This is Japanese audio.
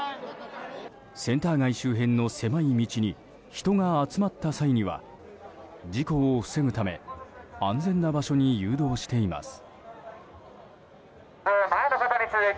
センター街周辺の狭い道に人が集まった際には事故を防ぐため安全な場所に誘導しています。